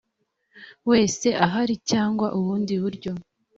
wese uhari cyangwa ubundi buryo